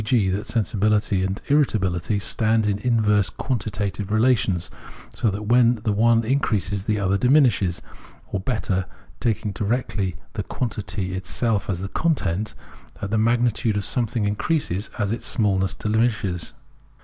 g., that sensibihty and irritabihty stand in inverse quantitative relations, so that when the one increases the other diminishes ; or better, taking directly the quantity itself as the content, that the magnitude of something increases as its smallness diminishes.